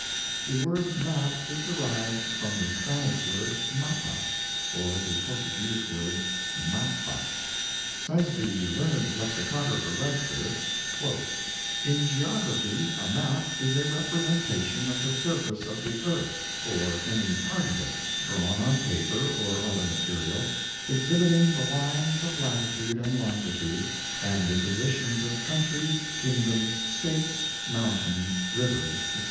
The word map is derived from the Spanish word "mapa," or the Portuguese word "mappa." Says the learned lexicographer Webster, "in geography a map is a representation of the surface of the earth, or any part of it, drawn on paper or other material, exhibiting the lines of latitude and longitude, and the positions of countries, kingdoms, states, mountains, rivers, etc."